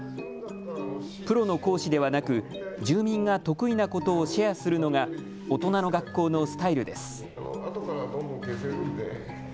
プロの講師ではなく住民が得意なことをシェアするのが大人の学校のスタイルです。